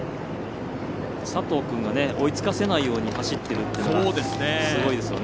佐藤君が追いつかせないように走っているっていうのがすごいですよね。